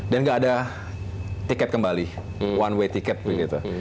dan tidak ada tiket kembali one way tiket begitu